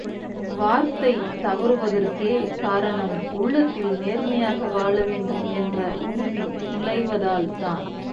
வார்த்தை தவறுவதற்கே காரணம் உள்ளத்தில் நேர்மையாக வாழ வேண்டும் என்ற உறுதி குலைவதால் தான்.